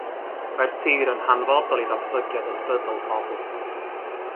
Mae'r tir yn hanfodol i ddatblygiad ysbrydol pobl.